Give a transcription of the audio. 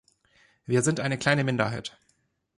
Wir sind eine kleine Minderheit.